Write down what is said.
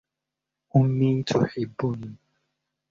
أمي تحبني.